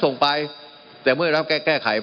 มันมีมาต่อเนื่องมีเหตุการณ์ที่ไม่เคยเกิดขึ้น